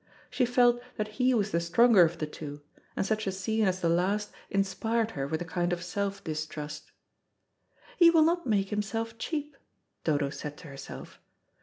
She felt that he was the stronger of the two, and such a scene as the last inspired her with a kind of self distrust. "He will not make himself 'cheap,'" Dodo said to herself.